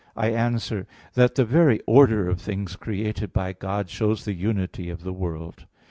I answer that, The very order of things created by God shows the unity of the world.